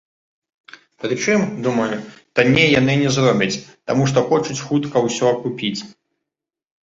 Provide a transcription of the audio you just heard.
Прычым, думаю, танней яны не зробяць, таму што хочуць хутка ўсё акупіць.